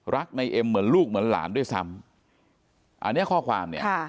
ในเอ็มเหมือนลูกเหมือนหลานด้วยซ้ำอันเนี้ยข้อความเนี่ยค่ะ